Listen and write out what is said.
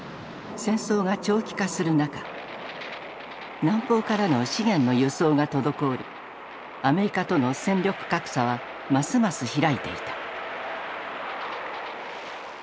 戦争が長期化する中南方からの資源の輸送が滞りアメリカとの戦力格差はますます開いていた。